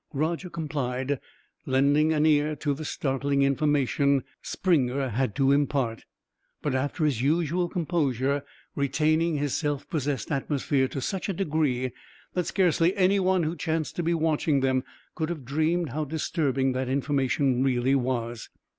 Roger complied, lending an ear to the startling information Springer had to impart, but, after his usual composure, retaining his self possessed atmosphere to such a degree that scarcely any one who chanced to be watching them could have dreamed how disturbing that information really was.